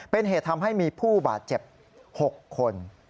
เป็นเหตุทำให้มีผู้บาดเจ็บ๖คน